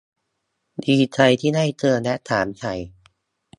ดีใจที่ได้เจอ และถามไถ่